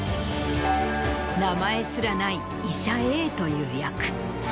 名前すらない医者Ａという役。